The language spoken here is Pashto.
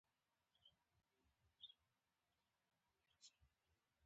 سیندونه د افغانانو د فرهنګي پیژندنې برخه ده.